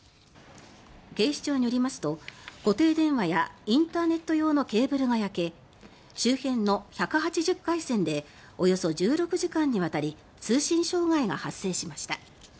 警視庁によりますと固定電話やインターネット用のケーブルが焼け周辺の１８０回線でおよそ１６時間にわたり通信障害が発生しました。